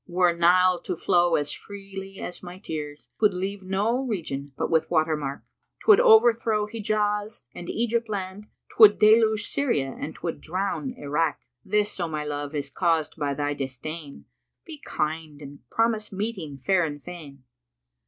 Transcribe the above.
Were Nile to flow as freely as my tears, * 'Twould leave no region but with water mark: 'Twould overthrow Hijaz and Egypt land * 'Twould deluge Syria and 'twould drown Irák. This, O my love, is caused by thy disdain, * Be kind and promise meeting fair and fain!"